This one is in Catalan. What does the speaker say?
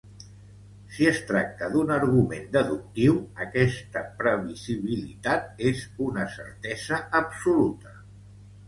Si es tracta d'un argument deductiu, aquesta previsibilitat és una certesa absoluta.